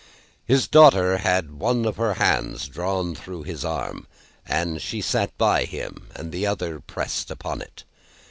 His daughter had one of her hands drawn through his arm, as she sat by him, and the other pressed upon it.